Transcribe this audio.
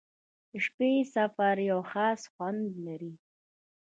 • د شپې سفر یو خاص خوند لري.